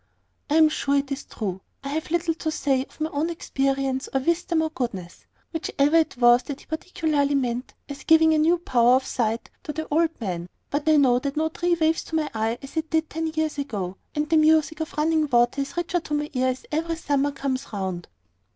"I am sure it is true. I have little to say of my own experience, or wisdom, or goodness, whichever it was that he particularly meant as giving a new power of sight to the old man; but I know that no tree waves to my eye as it did ten years ago, and the music of running water is richer to my ear as every summer comes round."